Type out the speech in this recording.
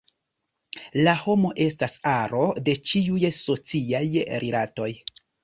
La homo estas aro de ĉiuj sociaj rilatoj.